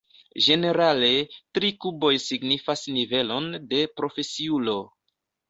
Ĝenerale, tri kuboj signifas nivelon de profesiulo.